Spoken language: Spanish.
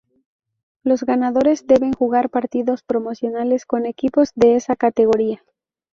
Los ganadores deben jugar partidos promocionales con equipos de esa categoría.